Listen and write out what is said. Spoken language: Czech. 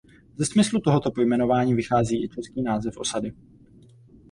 Ze smyslu tohoto pojmenování vychází i český název osady.